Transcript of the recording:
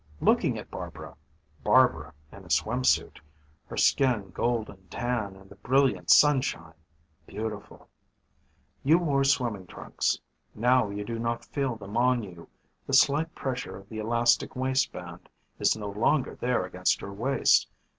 Looking at Barbara Barbara in a swim suit her skin golden tan in the brilliant sunshine, beautiful. You wore swimming trunks. Now you do not feel them on you; the slight pressure of the elastic waistband is no longer there against your waist.